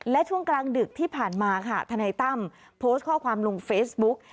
และช่วงกลางดึกที่ผ่านมาค่ะทนายตั้มโพสต์ข้อความลงเฟซบุ๊ก